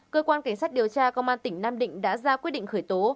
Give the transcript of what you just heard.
cơ quan cảnh sát điều tra công an tỉnh nam định đã ra quyết định khởi tố